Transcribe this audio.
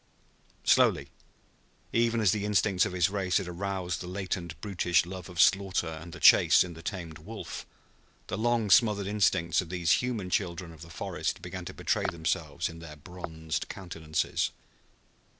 Slowly, even as the instincts of his race had aroused the latent, brutish love of slaughter and the chase in the tamed wolf, the long smothered instincts of these human children of the forest began to betray themselves in their bronzed countenances.